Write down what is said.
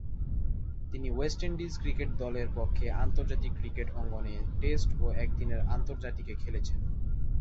তিনি West Indies cricket দলের পক্ষে আন্তর্জাতিক ক্রিকেট অঙ্গনে টেস্ট ও একদিনের আন্তর্জাতিকে খেলেছেন।